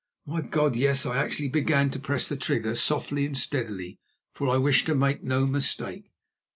My God! yes, I actually began to press the trigger softly and steadily, for I wished to make no mistake.